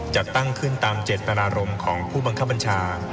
จัดตั้งขึ้นตามเจตนารมณ์ของผู้บังคับบัญชา